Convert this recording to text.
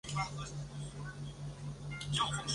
这可能是所有城市铁路系统中的最高数字。